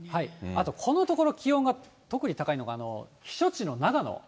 あとこのところ、気温が特に高いのが、避暑地の長野。